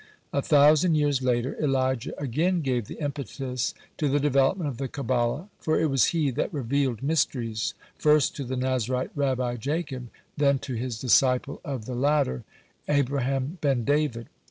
(98) A thousand years later, Elijah again gave the impetus to the development of the Kabbalah, for it was he that revealed mysteries, first to the Nazarite Rabbi Jacob, then to his disciple of the latter, Abraham ben David.